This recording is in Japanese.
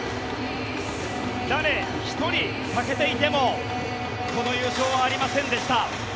誰一人欠けていてもこの優勝はありませんでした。